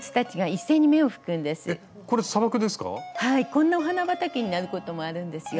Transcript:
こんなお花畑になることもあるんですよ。